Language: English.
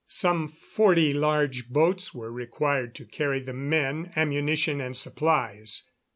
Some forty large boats were required to carry the men, ammunition and supplies.